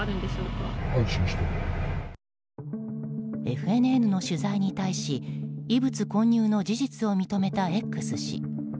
ＦＮＮの取材に対し異物混入の事実を認めたＸ氏。